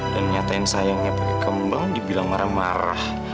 dan nyatain sayangnya pake kembang dibilang marah marah